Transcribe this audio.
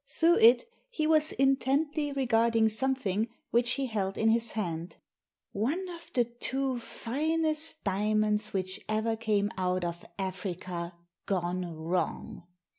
Through it he was intently regarding something which he held in his hand. " One of the two finest diamonds which ever came out of Africa gone wrong